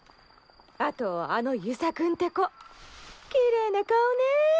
あとはあの遊佐君って子きれいな顔ね！